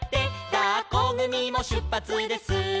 「だっこぐみもしゅっぱつです」